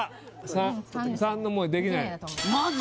３３のもうできないマジ！？